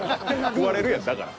食われるやんだから。